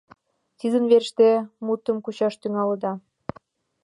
— Тидын верч те мутым кучаш тӱҥалыда!